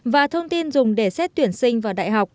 và thông tin dự thi